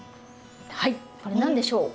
はいこれ何でしょう？